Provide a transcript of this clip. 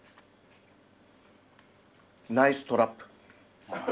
ナイストラップ。